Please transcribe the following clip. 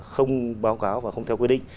không báo cáo và không theo quy định